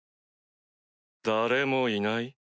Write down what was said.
誰もいない？